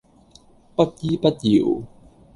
不依不饒